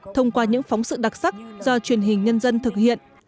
thông qua những phóng sự đặc sắc do truyền hình nhân dân thực hiện